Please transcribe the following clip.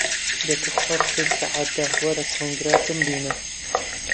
دە توخوا سبەی سەعات دە، وەرە کۆنگرە بمبینە!